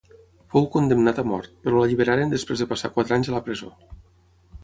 Fou condemnat a mort, però l'alliberaren després de passar quatre anys a la presó.